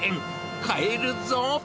帰るぞ。